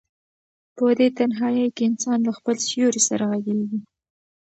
په دې تنهایۍ کې انسان له خپل سیوري سره غږېږي.